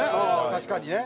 確かにね。